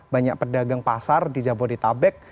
banyak pedagang pasar di jabodetabek